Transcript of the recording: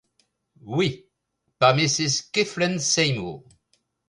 Oui… par Mrs Kethlen Seymour.